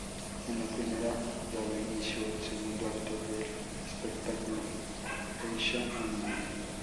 En la primera, daba inició al segundo acto del espectáculo, "Geisha–Anime".